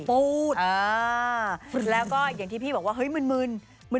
ปูดแล้วก็อย่างที่พี่บอกว่าเฮ้ยมึน